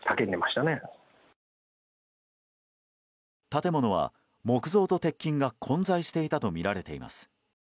建物は木造と鉄筋が混在していたとみられています。